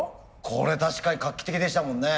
これ確かに画期的でしたもんね。